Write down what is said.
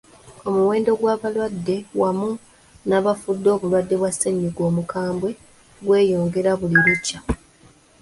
Omuwendo gw'abalwadde wamu n'abafudde obulwadde bwa ssennyinga omukabwe gweyongera buli lukya.